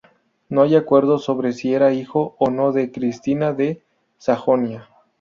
No hay acuerdo sobre si era hijo o no de Cristina de Sajonia.